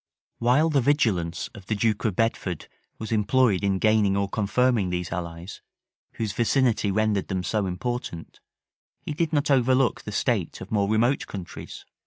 While the vigilance of the duke of Bedford was employed in gaining or confirming these allies, whose vicinity rendered them so important, he did not overlook the state of more remote countries.